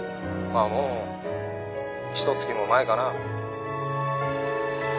まあもうひとつきも前かな。